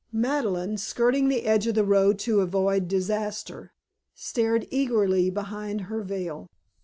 Madeleine, skirting the edge of the road to avoid disaster stared eagerly behind her veil.